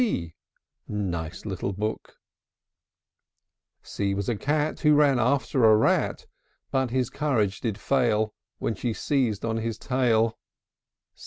b! Nice little book! C C was a cat Who ran after a rat; But his courage did fail When she seized on his tail.